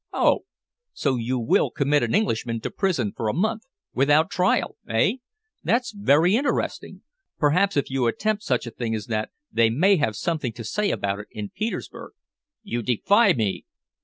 "Oh! so you will commit an Englishman to prison for a month, without trial eh? That's very interesting! Perhaps if you attempt such a thing as that they may have something to say about it in Petersburg." "You defy me!"